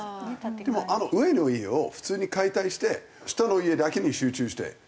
でもあの上の家を普通に解体して下の家だけに集中して。